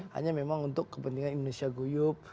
hanya memang untuk kepentingan indonesia guyup